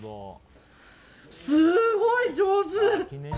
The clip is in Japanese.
すごい上手。